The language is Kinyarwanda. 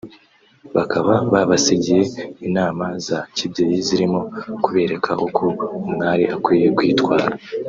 bakaba babasigiye inama za kibyeyi zirimo kubereka uko umwari akwiye kwitwara